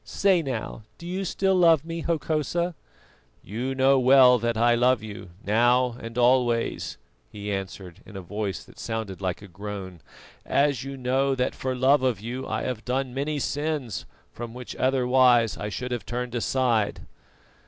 Say now, do you still love me, Hokosa?" "You know well that I love you, now and always," he answered, in a voice that sounded like a groan; "as you know that for love of you I have done many sins from which otherwise I should have turned aside."